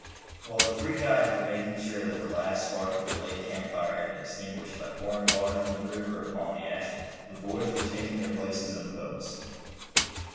While the three guides were making sure that the last spark of their late camp fire had been extinguished, by pouring water from the river upon the ashes, the boys were taking their places in the boats.